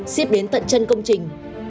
xếp đến tận chân công trình